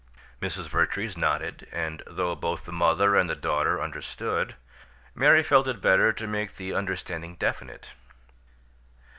Mrs. Vertrees nodded; and though both the mother and the daughter understood, Mary felt it better to make the understanding definite.